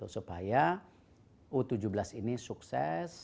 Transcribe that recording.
supaya u tujuh belas ini sukses